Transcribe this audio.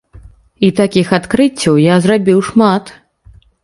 І такіх адкрыццяў я зрабіў шмат.